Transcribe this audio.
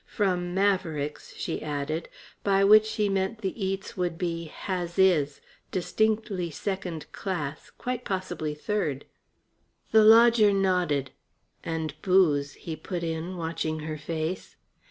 "From Maverick's," she added. By which she meant the eats would be "has is" distinctly second class, quite possibly third. The lodger nodded. "And booze," he put in, watching her face.